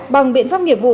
bằng biện pháp nghiệp vụ